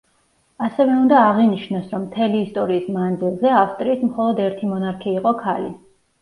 ასევე უნდა აღინიშნოს, რომ მთელი ისტორიის მანძილზე, ავსტრიის მხოლოდ ერთი მონარქი იყო ქალი.